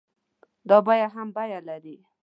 دا بيه هم بيه لري.